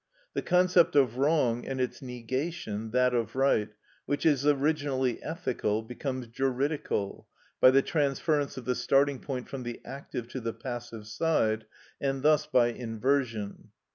The concept of wrong and its negation, that of right, which is originally ethical, becomes juridical by the transference of the starting point from the active to the passive side, and thus by inversion.